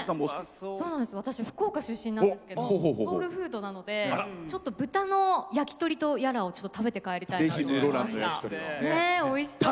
私、福岡出身なんですけどソウルフードなので豚のやきとりを食べて帰りたいなと思いました。